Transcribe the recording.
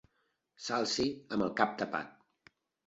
S'alci amb el cap tapat.